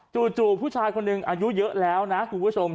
จู่ผู้ชายคนหนึ่งอายุเยอะแล้วนะคุณผู้ชม